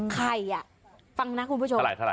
ใครอ่ะฟังนะคุณผู้ชม